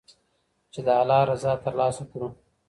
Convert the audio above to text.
چې د الله رضا تر لاسه کړو.